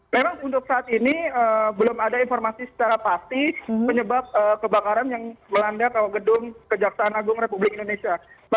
memang untuk saat ini belum ada informasi secara pasti penyebab kebakaran yang melanda gedung kejaksaan agung republik indonesia